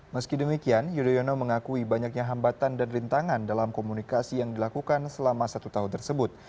meski demikian yudhoyono mengakui banyaknya hambatan dan rintangan dalam komunikasi yang dilakukan selama satu tahun tersebut